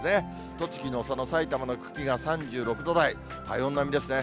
栃木の佐野、埼玉の久喜が３６度台、体温並みですね。